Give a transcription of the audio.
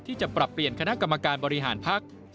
ที่จะปรับเปลี่ยนคณะกรรมการบริหารภักดิ์